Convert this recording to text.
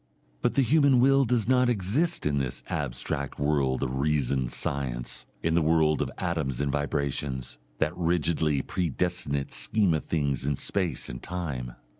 But the human will does not exist in the abstract world of reasoned science, in the world of atoms and vibrations, that rigidly predestinate scheme of things in space and time.